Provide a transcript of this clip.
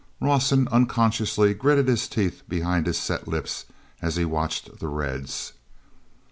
Rawson unconsciously gritted his teeth behind his set lips as he watched the Reds.